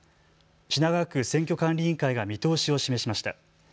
品川区選挙管理委員会が見通しを示しました。